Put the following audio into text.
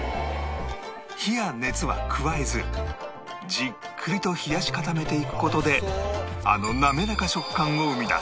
火や熱は加えずじっくりと冷やし固めていく事であの滑らか食感を生み出す